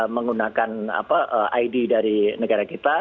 menggunakan id dari negara kita